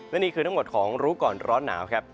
และนี่คือทั้งหมดของรู้ก่อนร้อนหนาวครับ